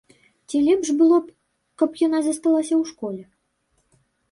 Ці лепш было б, каб яна засталася ў школе?